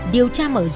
điều tra mở rộng